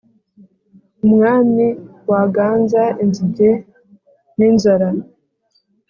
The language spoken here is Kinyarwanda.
umwami waganza inzige n’inzara